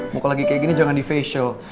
muka lagi kayak gini jangan di facial